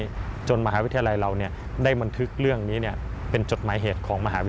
แต่จนวิทยาลัยเรานี้ได้บนธึกเป็นจดหมายเหตุของวิทยาลัยไว้